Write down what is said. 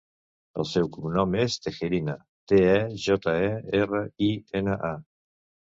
El seu cognom és Tejerina: te, e, jota, e, erra, i, ena, a.